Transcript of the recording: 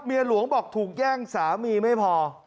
หลวงบอกถูกแย่งสามีไม่พอ